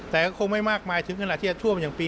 แต่ก็คงไม่มากมายถึงขนาดที่จะท่วมอย่างปี๒